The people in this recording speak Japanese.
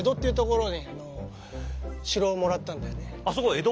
あっそこ江戸？